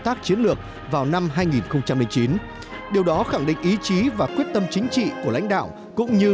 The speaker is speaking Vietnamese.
tác chiến lược vào năm hai nghìn chín điều đó khẳng định ý chí và quyết tâm chính trị của lãnh đạo cũng như